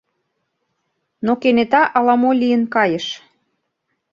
Но кенета ала-мо лийын кайыш.